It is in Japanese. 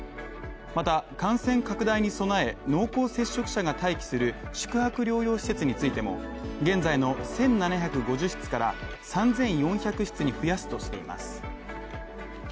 また、感染拡大に備え、濃厚接触者が待機する宿泊療養施設についても現在の１７５０から３４００室に増やすとしています。